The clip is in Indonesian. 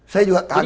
saya juga kaget